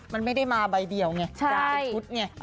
มันไม่ได้มาใบเดียวใช่